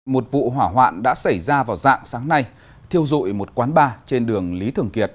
một vụ hỏa hoạn đã xảy ra vào dạng sáng nay thiêu dụi một quán bar trên đường lý thường kiệt